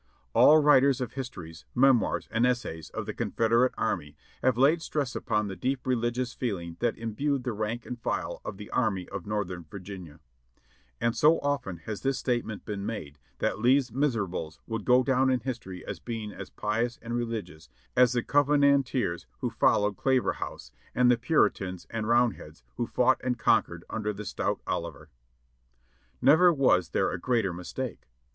All writers of histories, memoirs and essays on the Confederate Army have laid stress upon the deep religious feeling that imbued the rank and file of the Army of Northern Virginia ; and so often has this statement been made that "Lee's Miserables" will go down in history as being as pious and religious as the Covenanters who followed Claverhouse, and the Puritans and Roundheads who fought and conquered under the stout Oliver. Never was there a greater mistake.